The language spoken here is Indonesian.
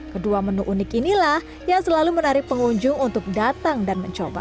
kedua menu unik inilah yang selalu menarik pengunjung untuk datang dan mencoba